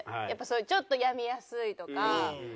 やっぱそういうちょっと病みやすいとか。